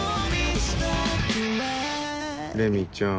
レミちゃん。